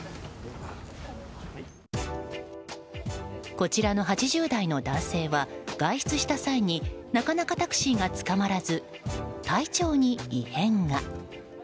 こちらの８０代の男性は外出した際になかなかタクシーがつかまらず体調に異変が。